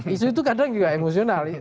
isu itu kadang juga emosional